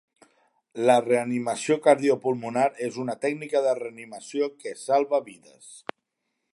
La reanimació cardiopulmonar és una tècnica de reanimació que salva vides.